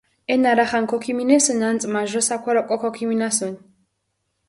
ენა რახან ქოქიმინესჷნი, აწი მაჟირა საქვარი ოკო ქოქიმინასჷნი.